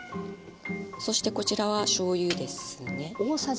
そしてこちらはしょうゆですね。